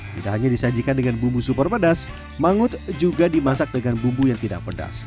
tidak hanya disajikan dengan bumbu super pedas mangut juga dimasak dengan bumbu yang tidak pedas